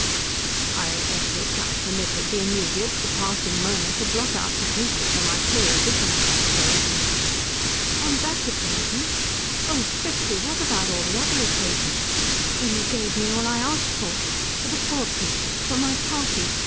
"I admit I permitted the immediate, the passing, moment to blot out the future from my clearer vision on that occasion." "On that occasion? Oh Fritzi. What about all the other occasions? When you gave me all I asked for for the poor people, for my party.